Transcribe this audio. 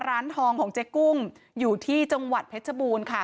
ร้านทองของเจ๊กุ้งอยู่ที่จังหวัดเพชรบูรณ์ค่ะ